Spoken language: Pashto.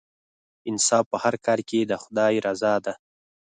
انصاف په هر کار کې د خدای رضا ده.